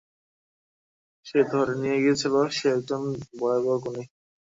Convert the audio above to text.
যে ধরে নিয়ে গিয়েছিল, সে একজন ভয়াবহ খুনী।